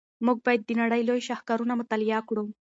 موږ باید د نړۍ لوی شاهکارونه مطالعه کړو.